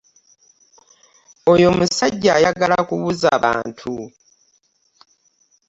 Oyo omusajja tayagala kubuuza bantu.